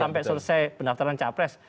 sampai selesai pendaftaran capres